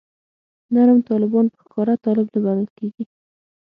نرم طالبان په ښکاره طالب نه بلل کېږي.